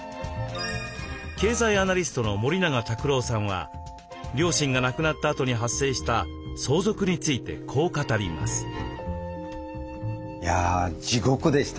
経済アナリストの森永卓郎さんは両親が亡くなったあとに発生した相続についてこう語ります。